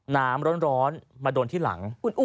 น้ำร้อนมาโดนที่หลัง